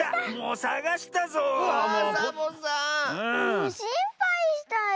もうしんぱいしたよ。